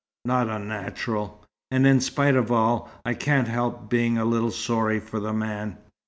Not unnatural and in spite of all, I can't help being a little sorry for the man.